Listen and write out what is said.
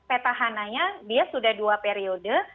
petahananya dia sudah dua periode